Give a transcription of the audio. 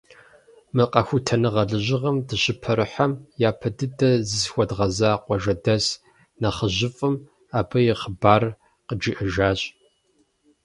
Мы къэхутэныгъэ лэжьыгъэм дыщыпэрыхьэм, япэ дыдэ зызыхуэдгъэза къуажэдэс нэхъыжьыфӏым абы и хъыбарыр къыджиӏэжащ.